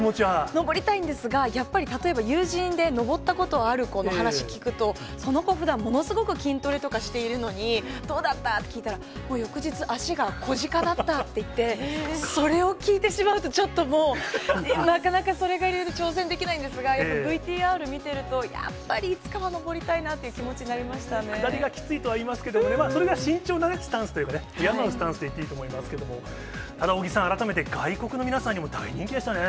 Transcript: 登りたいんですが、やっぱり例えば友人で、登ったことのある話聞くと、その子、ふだんものすごく筋トレとかしているのに、どうだった？って聞いたら、もう翌日足が子鹿だったって言って、それを聞いてしまうと、ちょっともう、なかなかそれが理由で挑戦できないんですが、ＶＴＲ見てるとやっぱりいつかは登りたいなっていう気持ちになり下りがきついとかいいますけど、それが慎重なスタンスというか、山のスタンスでいっていいと思いますけど、尾木さん、外国の皆さんにも大人気でしたね。